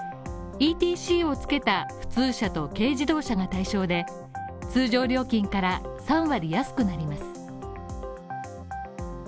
ＥＴＣを付けた普通車と軽自動車が対象で、通常料金から３割安くなります。